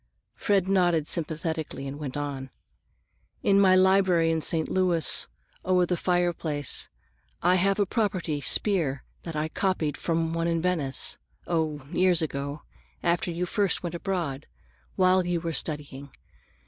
Fred nodded sympathetically and went on. "In my library in St. Louis, over the fireplace, I have a property spear I had copied from one in Venice,—oh, years ago, after you first went abroad, while you were studying.